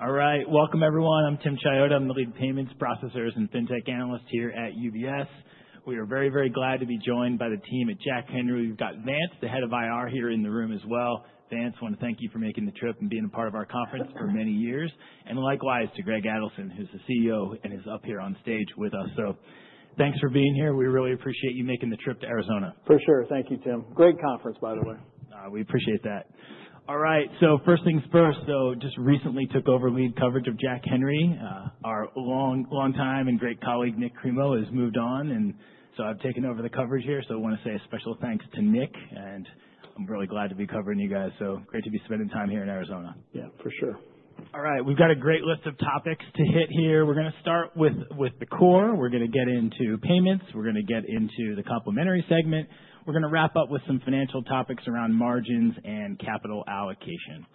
All right. Welcome, everyone. I'm Tim Chiodo. I'm the Lead Payments, Processor, and Fintech Analyst here at UBS. We are very, very glad to be joined by the team at Jack Henry. We've got Vance, the Head of IR, here in the room as well. Vance, I want to thank you for making the trip and being a part of our conference for many years. Likewise to Greg Adelson, who's the CEO and is up here on stage with us. Thanks for being here. We really appreciate you making the trip to Arizona. For sure. Thank you, Tim. Great conference, by the way. We appreciate that. All right, so first things first. So, just recently took over lead coverage of Jack Henry. Our long, long time and great colleague, Nik Cremo, has moved on. And, so I've taken over the coverage here. So I want to say a special thanks to Nik. And I'm really glad to be covering you guys. So great to be spending time here in Arizona. Yeah, for sure. All right, we've got a great list of topics to hit here. We're going to start with the core. We're going to get into payments. We're going to get into the complementary segment. We're going to wrap up with some financial topics around margins and capital allocation.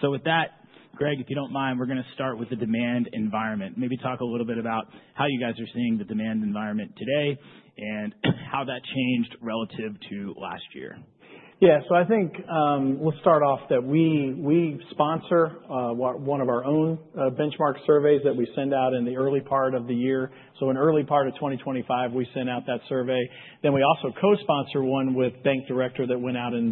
So with that, Greg, if you don't mind, we're going to start with the demand environment. Maybe talk a little bit about how you guys are seeing the demand environment today and how that changed relative to last year. Yeah, so I think we'll start off that we sponsor one of our own benchmark surveys that we send out in the early part of the year. So in early part of 2025, we sent out that survey. Then we also co-sponsor one with Bank Director that went out in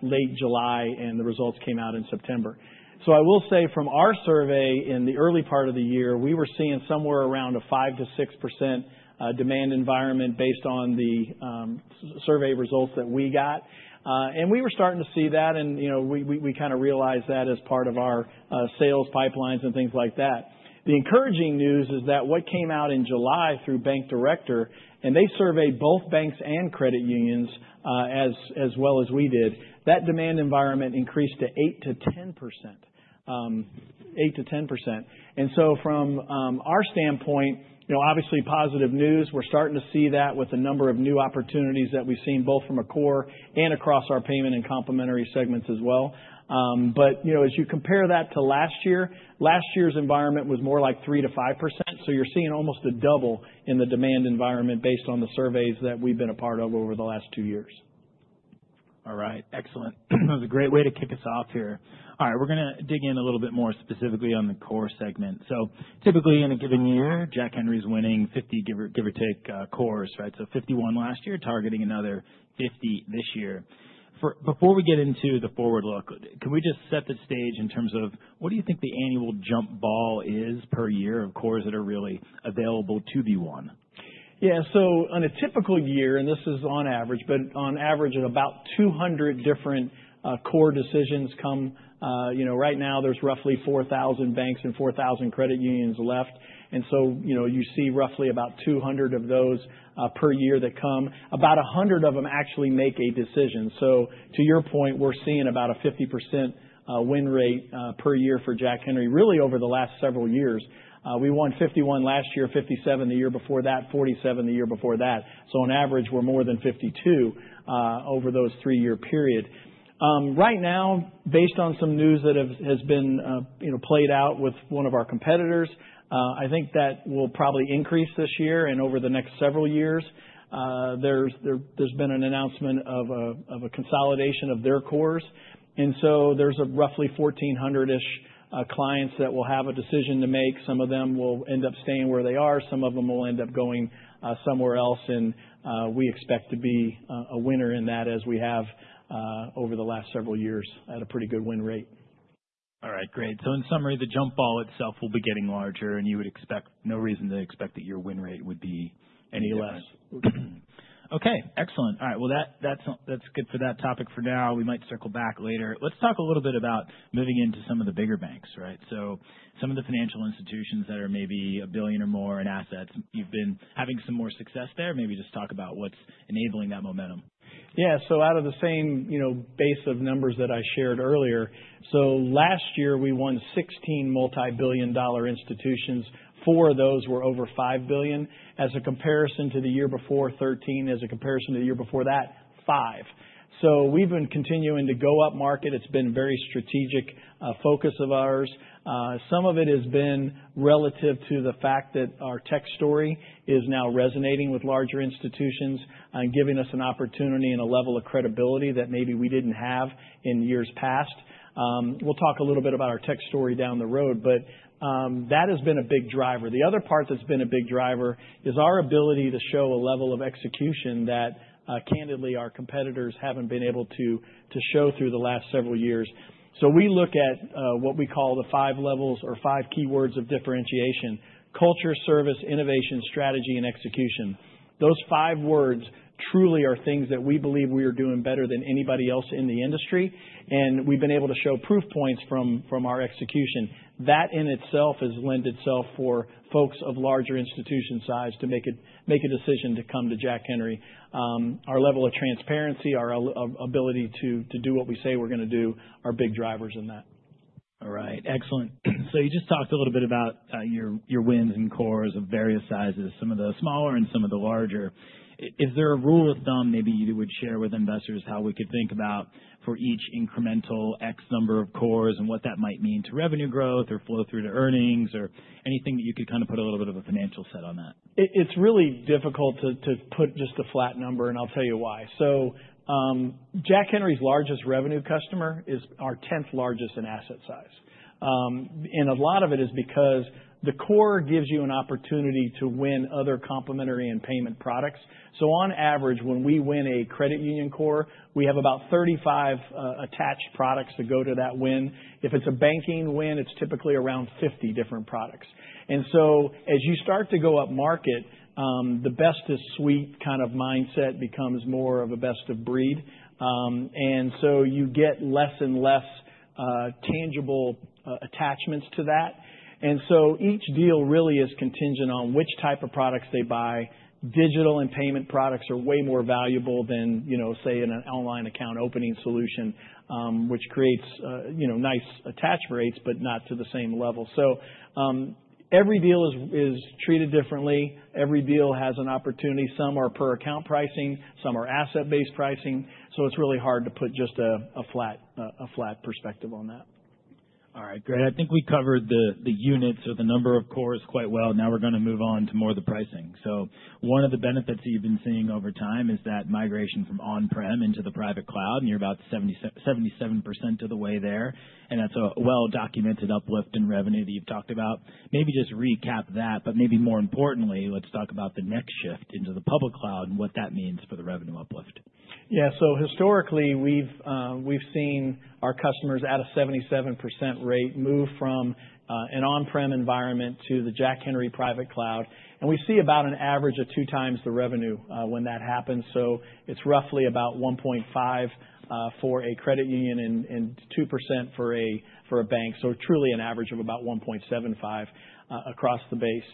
late July, and the results came out in September. So I will say from our survey in the early part of the year, we were seeing somewhere around a 5%-6% demand environment based on the survey results that we got. And we were starting to see that. And we kind of realized that as part of our sales pipelines and things like that. The encouraging news is that what came out in July through Bank Director, and they surveyed both banks and credit unions as well as we did, that demand environment increased to 8%-10%. 8%-10%, and so from our standpoint, obviously positive news. We're starting to see that with a number of new opportunities that we've seen both from a core and across our payment and complementary segments as well, but as you compare that to last year, last year's environment was more like 3%-5%, so you're seeing almost a double in the demand environment based on the surveys that we've been a part of over the last two years. All right, excellent. That was a great way to kick us off here. All right, we're going to dig in a little bit more specifically on the core segment. So typically in a given year, Jack Henry's winning 50, give or take, cores, right? So 51 last year, targeting another 50 this year. Before we get into the forward look, can we just set the stage in terms of what do you think the annual jump ball is per year of cores that are really available to be won? Yeah, so on a typical year, and this is on average, but on average at about 200 different core decisions come. Right now, there's roughly 4,000 banks and 4,000 credit unions left. And so you see roughly about 200 of those per year that come. About 100 of them actually make a decision. So to your point, we're seeing about a 50% win rate per year for Jack Henry really over the last several years. We won 51 last year, 57 the year before that, 47 the year before that. So on average, we're more than 52 over those three-year period. Right now, based on some news that has been played out with one of our competitors, I think that will probably increase this year and over the next several years. There's been an announcement of a consolidation of their cores. There's roughly 1,400-ish clients that will have a decision to make. Some of them will end up staying where they are. Some of them will end up going somewhere else. We expect to be a winner in that as we have over the last several years at a pretty good win rate. All right, great. So in summary, the jump ball itself will be getting larger. And you would expect, no reason to expect that your win rate would be any less. [Yes.] Okay, excellent. All right, well, that's good for that topic for now. We might circle back later. Let's talk a little bit about moving into some of the bigger banks, right? So some of the financial institutions that are maybe a billion or more in assets, you've been having some more success there. Maybe just talk about what's enabling that momentum. Yeah, so out of the same base of numbers that I shared earlier. So last year we won 16 multibillion-dollar institutions. Four of those were over $5 billion. As a comparison to the year before, 13. As a comparison to the year before that, five. So we've been continuing to go up market. It's been a very strategic focus of ours. Some of it has been relative to the fact that our tech story is now resonating with larger institutions and giving us an opportunity and a level of credibility that maybe we didn't have in years past. We'll talk a little bit about our tech story down the road, but that has been a big driver. The other part that's been a big driver is our ability to show a level of execution that candidly our competitors haven't been able to show through the last several years. So we look at what we call the five levels or five keywords of differentiation: culture, service, innovation, strategy, and execution. Those five words truly are things that we believe we are doing better than anybody else in the industry. And we've been able to show proof points from our execution. That in itself has lent itself for folks of larger institution size to make a decision to come to Jack Henry. Our level of transparency, our ability to do what we say we're going to do are big drivers in that. All right, excellent. So you just talked a little bit about your wins and cores of various sizes, some of the smaller and some of the larger. Is there a rule of thumb maybe you would share with investors how we could think about for each incremental X number of cores and what that might mean to revenue growth or flow through to earnings or anything that you could kind of put a little bit of a financial set on that? It's really difficult to put just a flat number, and I'll tell you why. So Jack Henry's largest revenue customer is our 10th largest in asset size. And a lot of it is because the core gives you an opportunity to win other complementary and payment products. So on average, when we win a credit union core, we have about 35 attached products that go to that win. If it's a banking win, it's typically around 50 different products. And so as you start to go up market, the best of suite kind of mindset becomes more of a best of breed. And so you get less and less tangible attachments to that. And so each deal really is contingent on which type of products they buy. Digital and payment products are way more valuable than, say, an online account opening solution, which creates nice attach rates, but not to the same level, so every deal is treated differently. Every deal has an opportunity. Some are per account pricing. Some are asset-based pricing, so it's really hard to put just a flat perspective on that. All right, great. I think we covered the units or the number of cores quite well. Now we're going to move on to more of the pricing. So one of the benefits that you've been seeing over time is that migration from On-Prem into the private cloud. And you're about 77% of the way there. And that's a well-documented uplift in revenue that you've talked about. Maybe just recap that. But maybe more importantly, let's talk about the next shift into the public cloud and what that means for the revenue uplift. Yeah, so historically, we've seen our customers at a 77% rate move from an On-Prem environment to the Jack Henry private cloud. And we see about an average of two times the revenue when that happens. So it's roughly about 1.5% for a credit union and 2% for a bank. So truly an average of about 1.75% across the base.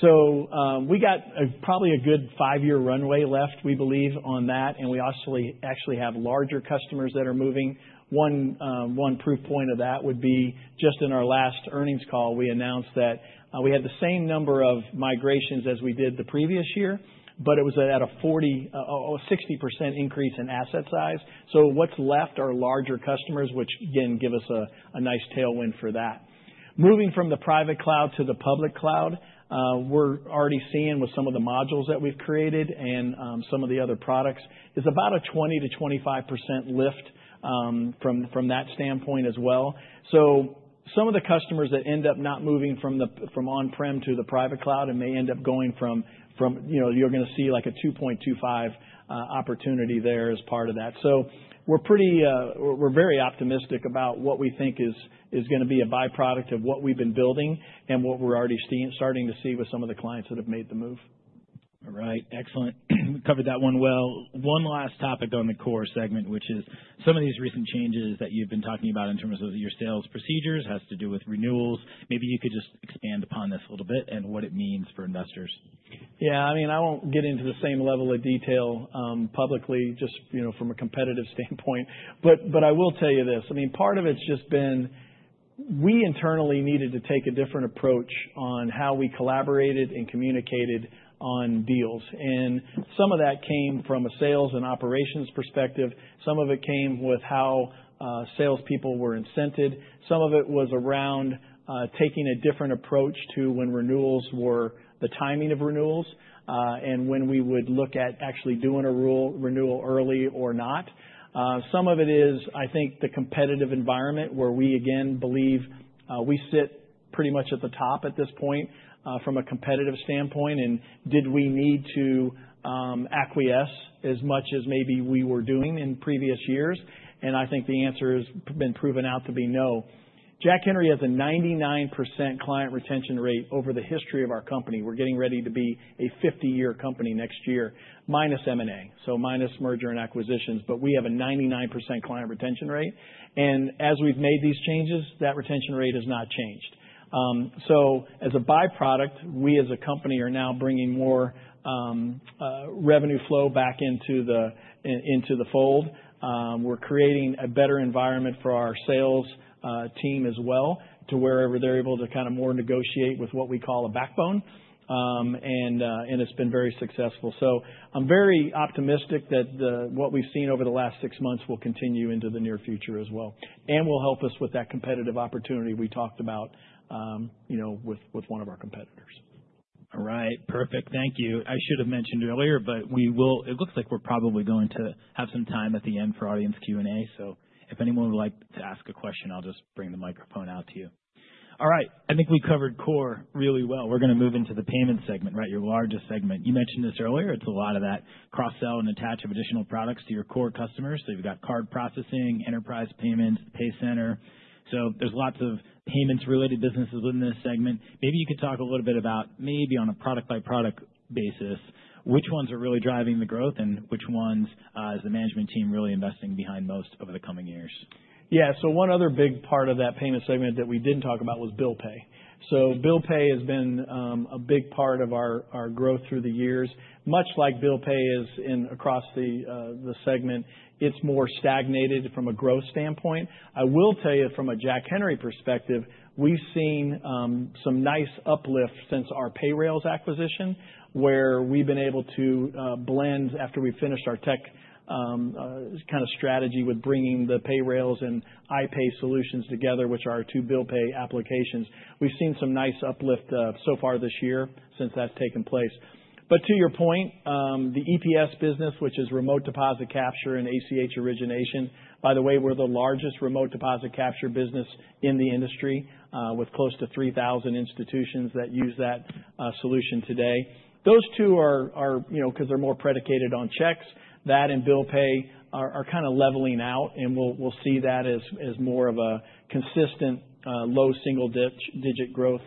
So we got probably a good five-year runway left, we believe, on that. And we actually have larger customers that are moving. One proof point of that would be just in our last earnings call, we announced that we had the same number of migrations as we did the previous year, but it was at a 60% increase in asset size. So what's left are larger customers, which again give us a nice tailwind for that. Moving from the private cloud to the public cloud, we're already seeing with some of the modules that we've created and some of the other products, it's about a 20%-25% lift from that standpoint as well. So some of the customers that end up not moving from on-prem to the private cloud and may end up going from, you're going to see like a 2.25% opportunity there as part of that. So we're very optimistic about what we think is going to be a byproduct of what we've been building and what we're already starting to see with some of the clients that have made the move. All right, excellent. We covered that one well. One last topic on the core segment, which is some of these recent changes that you've been talking about in terms of your sales procedures has to do with renewals. Maybe you could just expand upon this a little bit and what it means for investors. Yeah, I mean, I won't get into the same level of detail publicly just from a competitive standpoint. But I will tell you this. I mean, part of it's just been we internally needed to take a different approach on how we collaborated and communicated on deals. And some of that came from a sales and operations perspective. Some of it came with how salespeople were incented. Some of it was around taking a different approach to when renewals were the timing of renewals and when we would look at actually doing a renewal early or not. Some of it is, I think, the competitive environment where we, again, believe we sit pretty much at the top at this point from a competitive standpoint. And did we need to acquiesce as much as maybe we were doing in previous years? And I think the answer has been proven out to be no. Jack Henry has a 99% client retention rate over the history of our company. We're getting ready to be a 50-year company next year, minus M&A, so minus merger and acquisitions. But we have a 99% client retention rate. And as we've made these changes, that retention rate has not changed. So as a byproduct, we as a company are now bringing more revenue flow back into the fold. We're creating a better environment for our sales team as well to wherever they're able to kind of more negotiate with what we call a backbone. And it's been very successful. So I'm very optimistic that what we've seen over the last six months will continue into the near future as well. And will help us with that competitive opportunity we talked about with one of our competitors. All right, perfect. Thank you. I should have mentioned earlier, but it looks like we're probably going to have some time at the end for audience Q&A. So if anyone would like to ask a question, I'll just bring the microphone out to you. All right, I think we covered core really well. We're going to move into the payment segment, right, your largest segment. You mentioned this earlier. It's a lot of that cross-sell and attach of additional products to your core customers. So you've got card processing, enterprise payments, PayCenter. So there's lots of payments-related businesses within this segment. Maybe you could talk a little bit about maybe on a product-by-product basis, which ones are really driving the growth and which ones is the management team really investing behind most over the coming years? Yeah, so one other big part of that payment segment that we didn't talk about was Bill Pay. Bill Pay has been a big part of our growth through the years. Much like Bill Pay is across the segment, it's more stagnated from a growth standpoint. I will tell you from a Jack Henry perspective, we've seen some nice uplift since our Payrailz acquisition where we've been able to blend after we finished our tech kind of strategy with bringing the Payrailz and iPay solutions together, which are our two Bill Pay applications. We've seen some nice uplift so far this year since that's taken place. But to your point, the EPS business, which is Remote Deposit Capture and ACH origination, by the way, we're the largest Remote Deposit Capture business in the industry with close to 3,000 institutions that use that solution today. Those two are because they're more predicated on checks. That and Bill Pay are kind of leveling out. We'll see that as more of a consistent low single-digit growth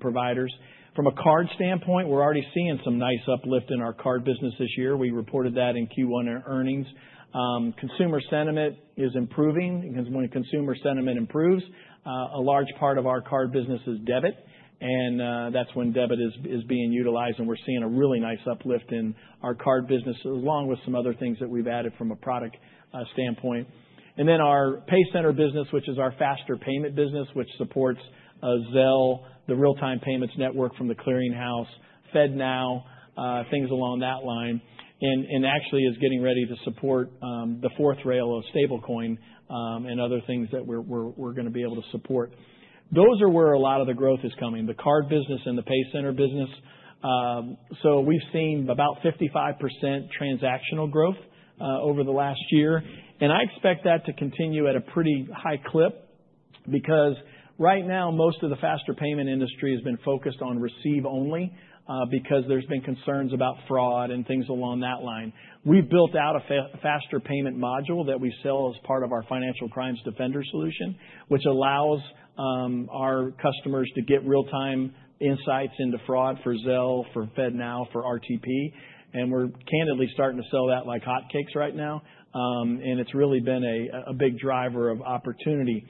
providers. From a card standpoint, we're already seeing some nice uplift in our card business this year. We reported that in Q1 earnings. Consumer sentiment is improving. When consumer sentiment improves, a large part of our card business is debit. That's when debit is being utilized. We're seeing a really nice uplift in our card business along with some other things that we've added from a product standpoint. Our PayCenter business, which is our faster payment business, which supports Zelle, the Real-Time Payments network from The Clearing House, FedNow, things along that line. And actually is getting ready to support the fourth rail of stablecoin and other things that we're going to be able to support. Those are where a lot of the growth is coming, the card business and the PayCenter business. So we've seen about 55% transactional growth over the last year. And I expect that to continue at a pretty high clip because right now most of the faster payment industry has been focused on receive-only because there's been concerns about fraud and things along that line. We've built out a faster payment module that we sell as part of our Financial Crimes Defender solution, which allows our customers to get real-time insights into fraud for Zelle, for FedNow, for RTP. And we're candidly starting to sell that like hotcakes right now. And it's really been a big driver of opportunity.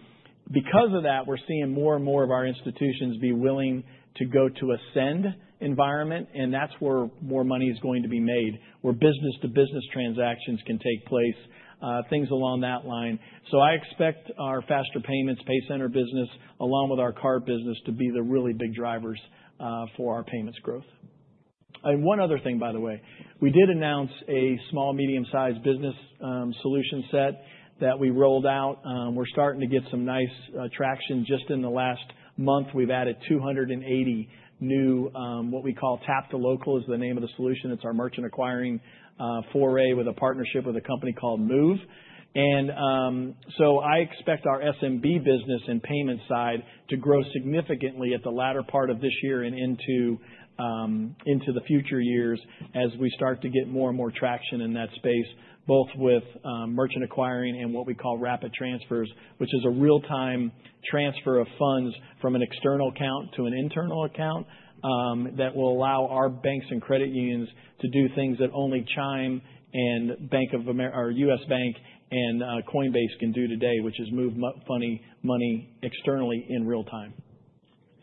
Because of that, we're seeing more and more of our institutions be willing to go to a send environment. And that's where more money is going to be made, where business-to-business transactions can take place, things along that line. So I expect our faster payments, PayCenter business, along with our card business, to be the really big drivers for our payments growth. And one other thing, by the way, we did announce a small, medium-sized business solution set that we rolled out. We're starting to get some nice traction. Just in the last month, we've added 280 new, what we call, Tap2Local is the name of the solution. It's our merchant acquiring foray with a partnership with a company called Moov. And so I expect our SMB business and payment side to grow significantly at the latter part of this year and into the future years as we start to get more and more traction in that space, both with merchant acquiring and what we call rapid transfers, which is a real-time transfer of funds from an external account to an internal account that will allow our banks and credit unions to do things that only Chime and U.S. Bank and Coinbase can do today, which is move money externally in real time.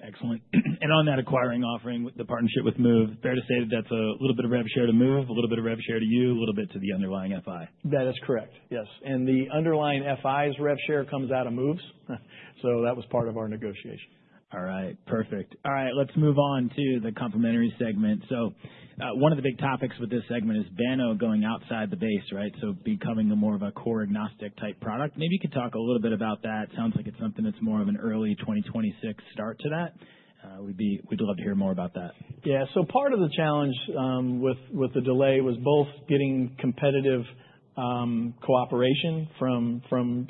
Excellent. And on that acquiring offering with the partnership with Moov, fair to say that that's a little bit of rev share to Moov, a little bit of rev share to you, a little bit to the underlying FI? That is correct, yes. And the underlying FI's rev share comes out of Moov. So that was part of our negotiation. All right, perfect. All right, let's move on to the complementary segment. So one of the big topics with this segment is Banno going outside the base, right, so becoming more of a core agnostic type product. Maybe you could talk a little bit about that. It sounds like it's something that's more of an early 2026 start to that. We'd love to hear more about that. Yeah, so part of the challenge with the delay was both getting competitive cooperation from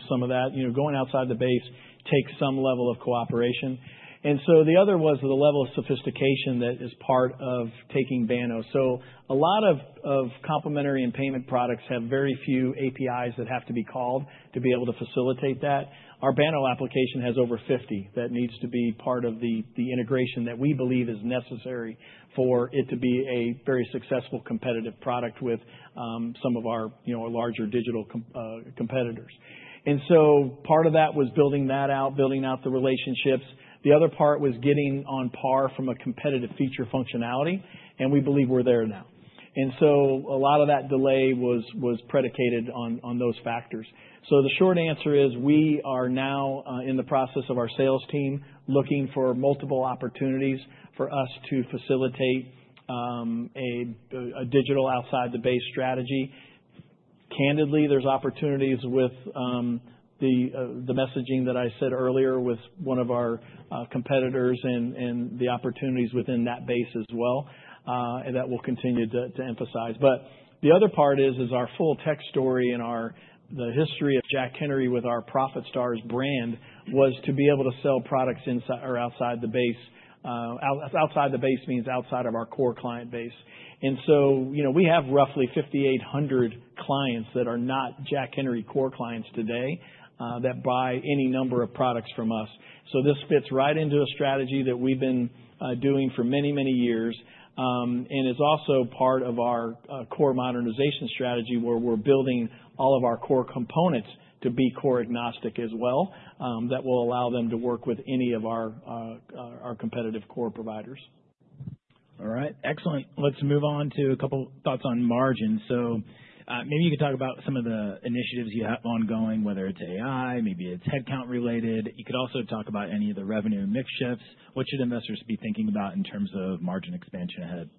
some of that. Going outside the base takes some level of cooperation. And so the other was the level of sophistication that is part of taking Banno. So a lot of complementary and payment products have very few APIs that have to be called to be able to facilitate that. Our Banno application has over 50 that needs to be part of the integration that we believe is necessary for it to be a very successful competitive product with some of our larger digital competitors. And so part of that was building that out, building out the relationships. The other part was getting on par from a competitive feature functionality. And we believe we're there now. And so a lot of that delay was predicated on those factors. So the short answer is we are now in the process of our sales team looking for multiple opportunities for us to facilitate a digital outside the base strategy. Candidly, there's opportunities with the messaging that I said earlier with one of our competitors and the opportunities within that base as well that we'll continue to emphasize. But the other part is our full tech story and the history of Jack Henry with our ProfitStars brand was to be able to sell products inside or outside the base. Outside the base means outside of our core client base. And so we have roughly 5,800 clients that are not Jack Henry core clients today that buy any number of products from us. So this fits right into a strategy that we've been doing for many, many years. It's also part of our core modernization strategy where we're building all of our core components to be core agnostic as well that will allow them to work with any of our competitive core providers. All right, excellent. Let's move on to a couple of thoughts on margin. So maybe you could talk about some of the initiatives you have ongoing, whether it's AI, maybe it's headcount related. You could also talk about any of the revenue mix shifts. What should investors be thinking about in terms of margin expansion ahead?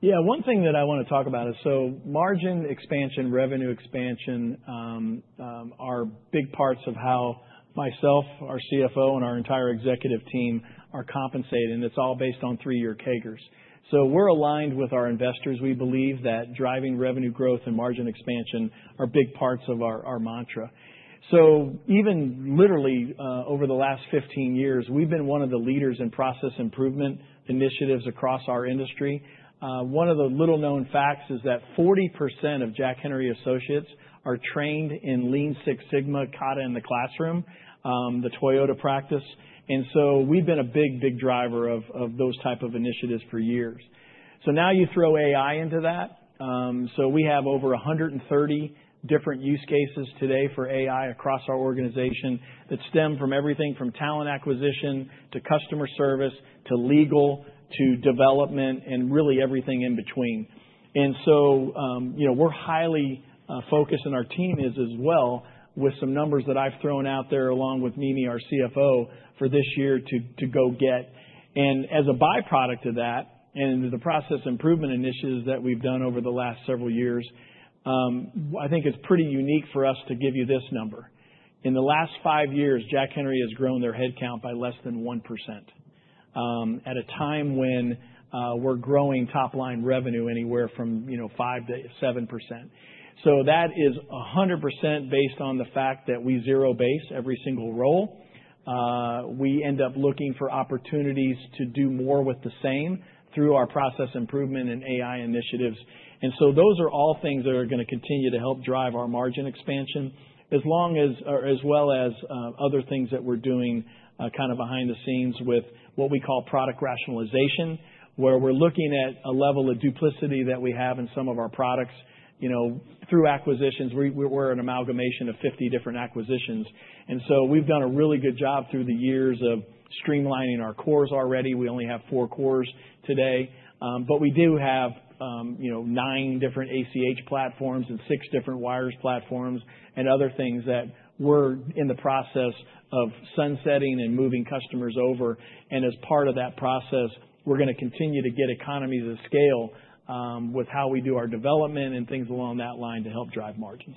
Yeah, one thing that I want to talk about is, so margin expansion, revenue expansion are big parts of how myself, our CFO, and our entire executive team are compensated. And it's all based on three-year CAGRs. So we're aligned with our investors. We believe that driving revenue growth and margin expansion are big parts of our mantra. So even literally over the last 15 years, we've been one of the leaders in process improvement initiatives across our industry. One of the little-known facts is that 40% of Jack Henry associates are trained in Lean Six Sigma, Kata in the classroom, the Toyota practice. And so we've been a big, big driver of those types of initiatives for years. So now you throw AI into that. We have over 130 different use cases today for AI across our organization that stem from everything from talent acquisition to customer service to legal to development and really everything in between. We're highly focused on our team as well with some numbers that I've thrown out there along with Mimi, our CFO, for this year to go get. As a byproduct of that and the process improvement initiatives that we've done over the last several years, I think it's pretty unique for us to give you this number. In the last five years, Jack Henry has grown their headcount by less than 1% at a time when we're growing top-line revenue anywhere from 5%-7%. That is 100% based on the fact that we zero-base every single role. We end up looking for opportunities to do more with the same through our process improvement and AI initiatives. And so those are all things that are going to continue to help drive our margin expansion as well as other things that we're doing kind of behind the scenes with what we call product rationalization, where we're looking at a level of duplicity that we have in some of our products through acquisitions. We're an amalgamation of 50 different acquisitions. And so we've done a really good job through the years of streamlining our cores already. We only have four cores today. But we do have nine different ACH platforms and six different wires platforms and other things that we're in the process of sunsetting and moving customers over. And as part of that process, we're going to continue to get economies of scale with how we do our development and things along that line to help drive margins.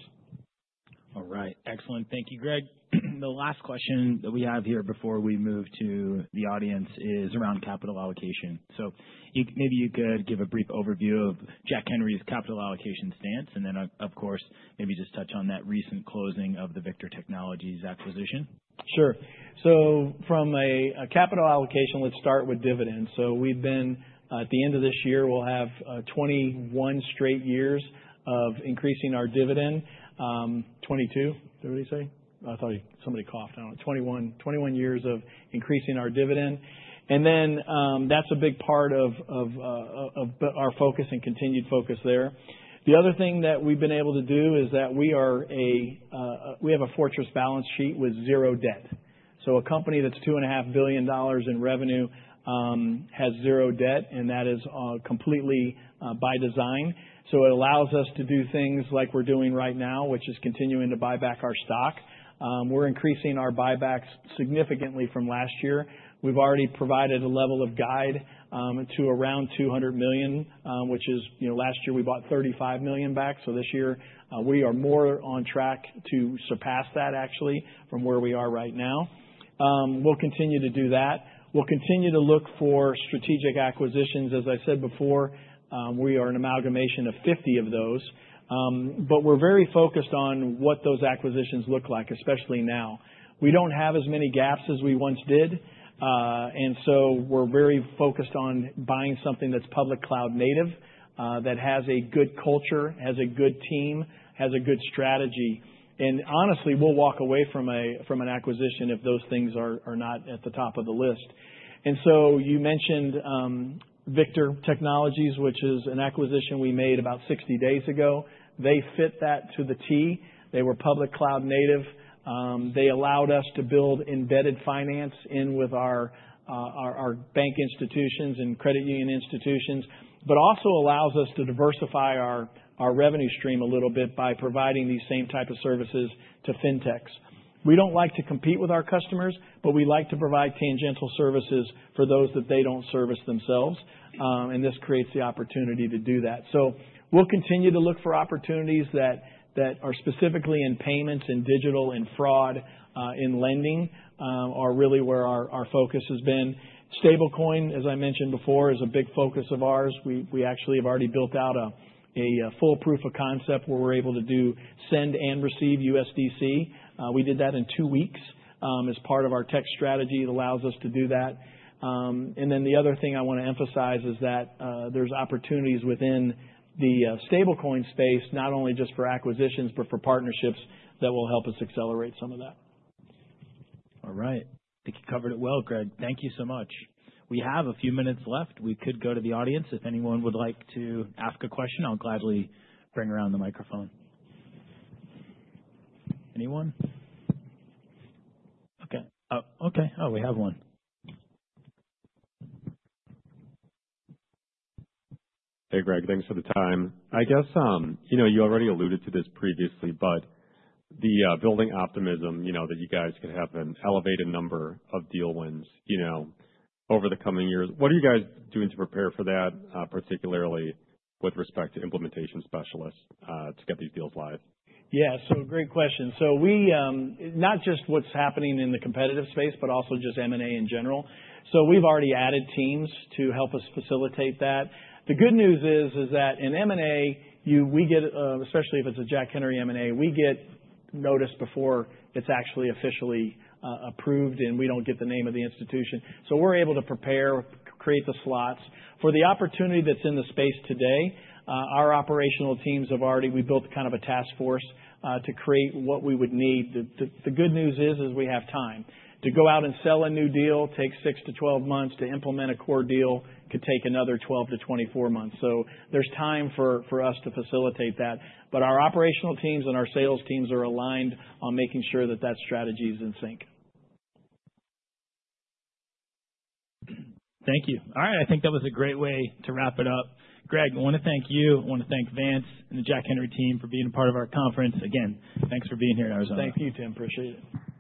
All right, excellent. Thank you, Greg. The last question that we have here before we move to the audience is around capital allocation. So maybe you could give a brief overview of Jack Henry's capital allocation stance. And then, of course, maybe just touch on that recent closing of the Victor Technologies acquisition. Sure. So from a capital allocation, let's start with dividends. So we've been at the end of this year, we'll have 21 straight years of increasing our dividend. 22? Is that what he's saying? I thought somebody coughed. 21 years of increasing our dividend. And then that's a big part of our focus and continued focus there. The other thing that we've been able to do is that we have a fortress balance sheet with zero debt. So a company that's $2.5 billion in revenue has zero debt. And that is completely by design. So it allows us to do things like we're doing right now, which is continuing to buy back our stock. We're increasing our buybacks significantly from last year. We've already provided a level of guide to around $200 million, which is last year we bought $35 million back. This year we are more on track to surpass that actually from where we are right now. We'll continue to do that. We'll continue to look for strategic acquisitions. As I said before, we are an amalgamation of 50 of those. But we're very focused on what those acquisitions look like, especially now. We don't have as many gaps as we once did. And so we're very focused on buying something that's public cloud native, that has a good culture, has a good team, has a good strategy. And honestly, we'll walk away from an acquisition if those things are not at the top of the list. And so you mentioned Victor Technologies, which is an acquisition we made about 60 days ago. They fit that to the T. They were public cloud native. They allowed us to build embedded finance in with our bank institutions and credit union institutions, but also allows us to diversify our revenue stream a little bit by providing these same types of services to FinTechs. We don't like to compete with our customers, but we like to provide tangential services for those that they don't service themselves, and this creates the opportunity to do that, so we'll continue to look for opportunities that are specifically in payments and digital and fraud in lending are really where our focus has been. Stablecoin, as I mentioned before, is a big focus of ours. We actually have already built out a full proof of concept where we're able to do send and receive USDC. We did that in two weeks as part of our tech strategy. It allows us to do that. And then the other thing I want to emphasize is that there's opportunities within the stablecoin space, not only just for acquisitions, but for partnerships that will help us accelerate some of that. All right. I think you covered it well, Greg. Thank you so much. We have a few minutes left. We could go to the audience. If anyone would like to ask a question, I'll gladly bring around the microphone. Anyone? Okay. Oh, we have one. Hey, Greg, thanks for the time. I guess you already alluded to this previously, but the building optimism that you guys could have an elevated number of deal wins over the coming years. What are you guys doing to prepare for that, particularly with respect to implementation specialists to get these deals live? Yeah, so great question. So not just what's happening in the competitive space, but also just M&A in general. So we've already added teams to help us facilitate that. The good news is that in M&A, we get, especially if it's a Jack Henry M&A, we get notice before it's actually officially approved. And we don't get the name of the institution. So we're able to prepare, create the slots. For the opportunity that's in the space today, our operational teams have already, we built kind of a task force to create what we would need. The good news is we have time. To go out and sell a new deal takes 6 months-12 months. To implement a core deal could take another 12 months-24 months. So there's time for us to facilitate that. But our operational teams and our sales teams are aligned on making sure that strategy is in sync. Thank you. All right, I think that was a great way to wrap it up. Greg, I want to thank you. I want to thank Vance and the Jack Henry team for being a part of our conference. Again, thanks for being here in Arizona. Thank you, Tim. Appreciate it.